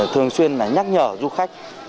thường xuyên nhắc nhở du khách